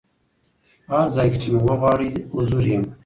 په هر ځای کي چي مي وغواړی حضور یم